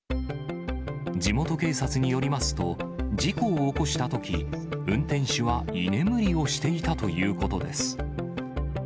地元警察によりますと、事故を起こしたとき、運転手は居眠りをしていたということです。